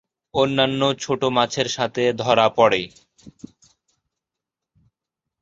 অন্যান্য ছোট মাছের সাথে ধরা পড়ে।